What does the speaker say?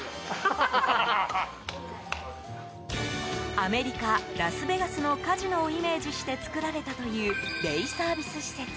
アメリカ・ラスベガスのカジノをイメージして作られたというデイサービス施設。